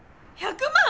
１００万？